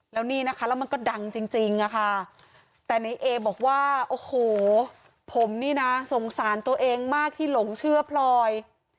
แล้วนี่นะคะแล้วมันก็ดังจริงอะค่ะแต่ในเอบอกว่าโอ้โหผมนี่นะสงสารตัวเองมากที่หลงเชื่อพลอย